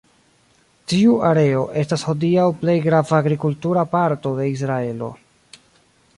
Tiu areo estas hodiaŭ plej grava agrikultura parto de Israelo.